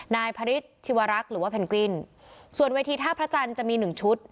นายพระฤทธิวรักษ์หรือว่าเพนกวินส่วนเวทีท่าพระจันทร์จะมีหนึ่งชุด